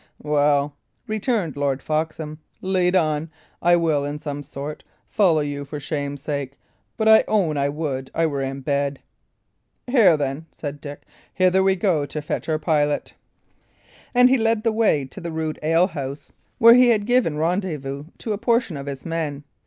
"Well," returned Lord Foxham, "lead on. I will, in some sort, follow you for shame's sake; but I own I would I were in bed." "Here, then," said Dick. "Hither we go to fetch our pilot." And he led the way to the rude alehouse where he had given rendezvous to a portion of his men.